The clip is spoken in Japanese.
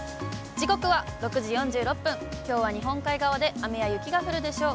時刻は６時４６分、きょうは日本海側で雨や雪が降るでしょう。